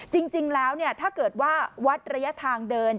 จริงแล้วถ้าเกิดว่าวัดระยะทางเดิน